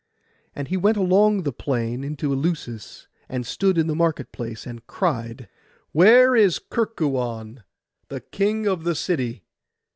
And he went along the plain into Eleusis, and stood in the market place, and cried— 'Where is Kerkuon, the king of the city?